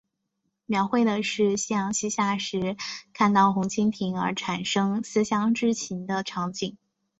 描绘的是夕阳西下时看到红蜻蜓而产生思乡之情的场景。